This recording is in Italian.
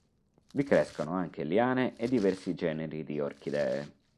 Vi crescono anche liane e diversi generi di orchidee.